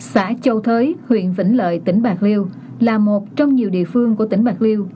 xã châu thới huyện vĩnh lợi tỉnh bạc liêu là một trong nhiều địa phương của tỉnh bạc liêu